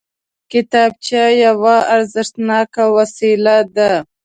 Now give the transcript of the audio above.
کتابچه یوه ارزښتناکه وسیله ده